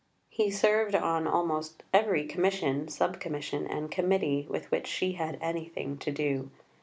He served on almost every Commission, Sub Commission, and Committee with which she had anything to do.